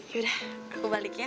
yaudah aku balik ya